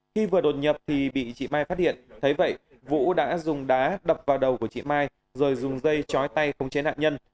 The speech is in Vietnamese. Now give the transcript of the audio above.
khi vừa đột nhập thì bị chị mai phát hiện thấy vậy vũ đã dùng đá đập vào đầu của chị mai rồi dùng dây chói tay khống chế nạn nhân